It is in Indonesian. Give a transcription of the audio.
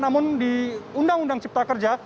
namun di undang undang cipta kerja